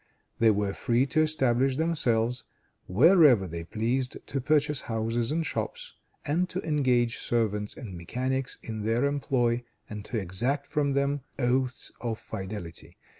They were free to establish themselves wherever they pleased to purchase houses and shops, and to engage servants and mechanics in their employ, and to exact from them oaths of fidelity.